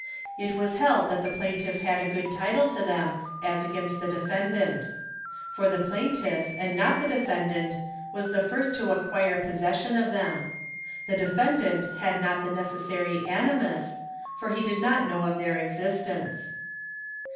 It was held that the plaintiff had a good title to them as against the defendant. For the plaintiff, and not the defendant, was the first to acquire possession of them. The defendant had not the necessary animus, for he did not know of their existence.